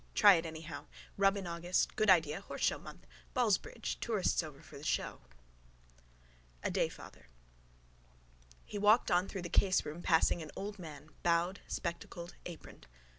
Try it anyhow. Rub in August: good idea: horseshow month. Ballsbridge. Tourists over for the show. A DAYFATHER He walked on through the caseroom passing an old man, bowed, spectacled, aproned.